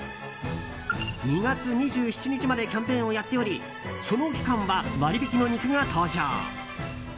２月２７日までキャンペーンをやっておりその期間は割引の肉が登場。